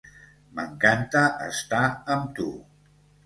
M'encanta estar amb tu.